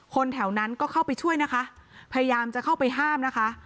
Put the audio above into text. แถวนั้นก็เข้าไปช่วยนะคะพยายามจะเข้าไปห้ามนะคะ